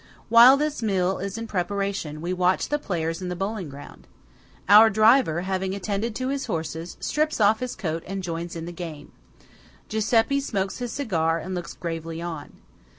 While this meal is in preparation, we watch the players in the bowling ground. Our driver, having attended to his horses, strips off his coat and joins in the game. Giuseppe smokes his cigar, and looks gravely on.